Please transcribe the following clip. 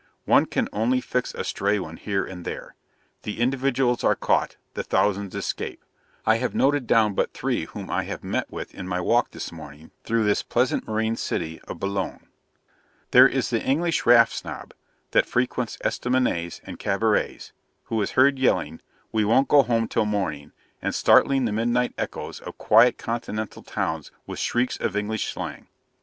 One can only fix a stray one here and there. The individuals are caught the thousands escape. I have noted down but three whom I have met with in my walk this morning through this pleasant marine city of Boulogne. There is the English Raff Snob, that frequents ESTAMINETS and CABARETS; who is heard yelling, 'We won't go home till morning!' and startling the midnight echoes of quiet Continental towns with shrieks of English slang.